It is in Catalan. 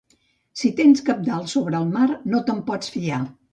Si tens cabdal sobre el mar, no te'n pots fiar.